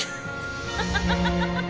ハハハハハ！